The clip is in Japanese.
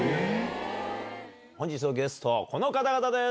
本日のゲストこの方々です！